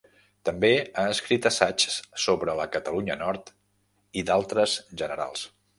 També ha escrit assaigs sobre la Catalunya del Nord i d'altres generals.